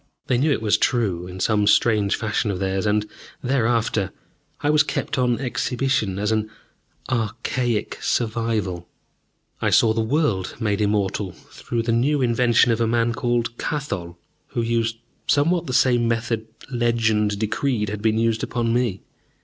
They knew it was true, in some strange fashion of theirs, and, thereafter, I was kept on exhibition as an archaic survival. I saw the world made immortal through the new invention of a man called Kathol, who used somewhat the same method "legend" decreed had been used upon me.